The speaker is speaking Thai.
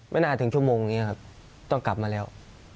ไม่น่าถึงชั่วโมงนี้ครับต้องกลับมาแล้ว